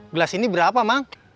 gelas ini berapa mang